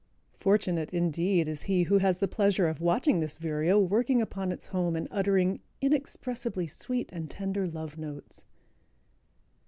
Fortunate, indeed, is he who has the pleasure of watching this Vireo working upon its home and uttering "inexpressibly sweet and tender love notes."